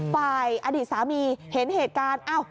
อดีตสามีเห็นเหตุการณ์